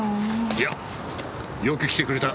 いやよく来てくれた。